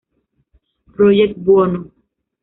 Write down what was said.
Project, Buono!.